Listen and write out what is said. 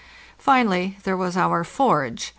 Finally, there was our forge.